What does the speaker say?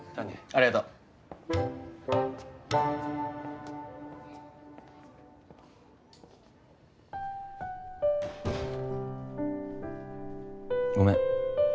ありがとう。ごめん。